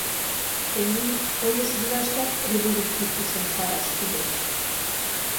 Тений койыш-йӱлаштат революций пушым шараш кӱлеш.